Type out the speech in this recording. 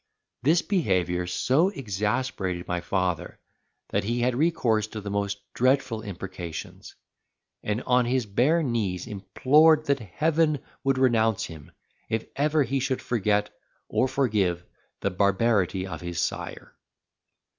This behaviour so exasperated my father that he had recourse to the most dreadful imprecations; and on his bare knees implored that Heaven would renounce him if ever he should forget or forgive the barbarity of his sire.